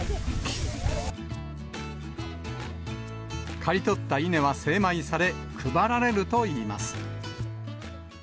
刈り取った稲は精米され、配られるといいます。